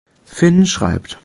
Finn schreibt.